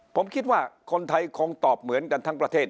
ผมคิดว่าคนไทยคงตอบเหมือนกันทั้งประเทศ